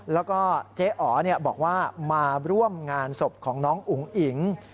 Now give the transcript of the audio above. แล้วก็เจ๊อ๋อบอกว่ามาร่วมงานศพของน้องอุ๋งอิ๋ง